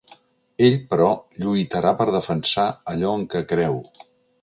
Ell, però, lluitarà per defensar allò en què creu.